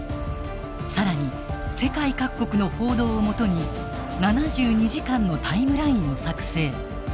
更に世界各国の報道をもとに７２時間のタイムラインを作成。